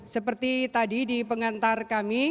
seperti tadi di pengantar kami